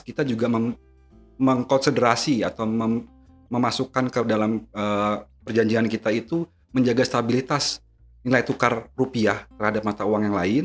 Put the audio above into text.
kita juga mengkonsentrasi atau memasukkan ke dalam perjanjian kita itu menjaga stabilitas nilai tukar rupiah terhadap mata uang yang lain